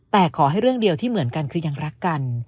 แต่ขอให้เรื่องเดียวที่เหมือนกันคือยังรักกัน